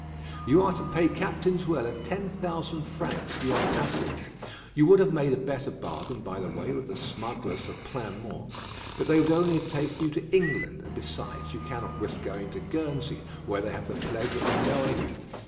You are to pay Captain Zuela ten thousand francs for your passage. You would have made a better bargain, by the way, with the smugglers of Pleinmont; but they would only have taken you to England; and besides, you cannot risk going to Guernsey, where they have the pleasure of knowing you.